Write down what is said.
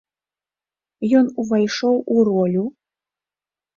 Ён увайшоў у ролю.